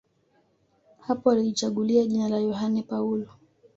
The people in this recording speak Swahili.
Hapo alijichagulia jina la Yohane Paulo